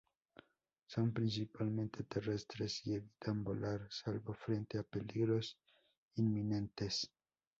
Son principalmente terrestres y evitan volar, salvo frente a peligros inminentes.